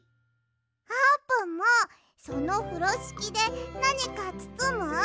あーぷんもそのふろしきでなにかつつむ？